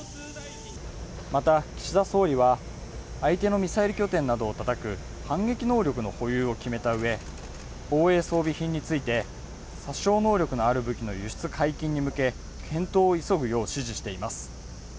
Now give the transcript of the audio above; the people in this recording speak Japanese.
また、岸田総理は相手のミサイル拠点などをたたく反撃能力の保有を決めたうえ、防衛装備品について殺傷能力のある武器の輸出解禁に向け検討を急ぐよう指示しています。